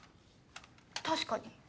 確かに。